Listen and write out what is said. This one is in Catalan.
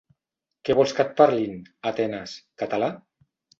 Què vols que et parlin, a Atenes, català?